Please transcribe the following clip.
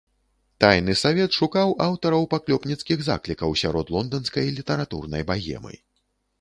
Тайны савет шукаў аўтараў паклёпніцкіх заклікаў сярод лонданскай літаратурнай багемы.